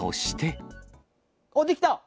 あっ、できた！